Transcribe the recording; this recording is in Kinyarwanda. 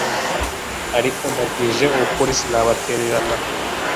ariko mbabwije ukuri sinabatererana